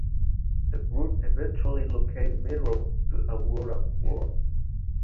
The group eventually located the mirror to Aurora’s world.